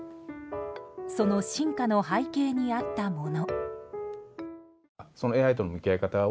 その進化の背景にあったもの。